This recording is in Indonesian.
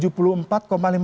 jumlah yang cukup terselidiki